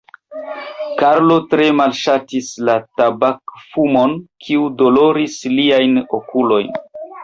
Karlo tre malŝatis la tabakfumon, kiu doloris liajn okulojn.